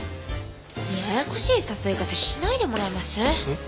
ややこしい誘い方しないでもらえます？